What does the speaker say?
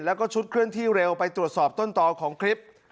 แล้วก็ชุดเคลื่อนที่เร็วไปตรวจสอบต้นต่อของคลิป